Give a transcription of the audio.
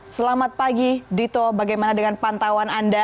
selamat pagi dito bagaimana dengan pantauan anda